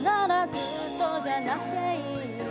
ずっとじゃなくていい